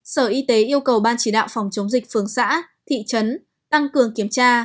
sở y tế yêu cầu ban chỉ đạo phòng chống dịch phường xã thị trấn tăng cường kiểm tra